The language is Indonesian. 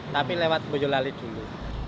tapi lewat boyolali dulu